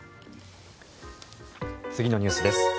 次のニュースです。